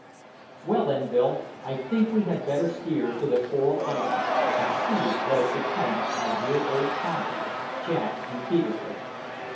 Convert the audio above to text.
"Well, then, Bill, I think we had better steer to the Coral Island and see what has become of my dear old comrades, Jack and Peterkin.